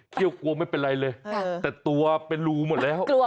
เกลี้ยวกวงไม่เป็นอะไรเลยแต่ตัวเป็นรูหมดแล้ว